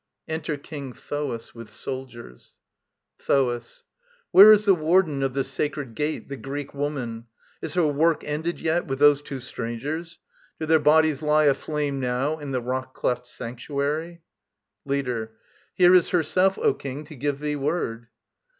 [enter KING THOAS, with soldiers.] THOAS. Where is the warden of this sacred gate, The Greek woman? Is her work ended yet With those two strangers? Do their bodies lie Aflame now in the rock cleft sanctuary? LEADER. Here is herself, O King, to give thee word.